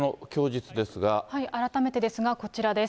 改めてですが、こちらです。